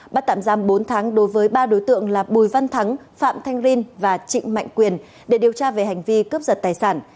bắt tạm giam bốn tháng đối với ba đối tượng là bùi văn thắng phạm thanh rin và trịnh mạnh quyền để điều tra về hành vi cướp giật tài sản